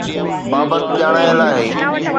بابت ڄاڻايل آهي